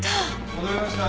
戻りました。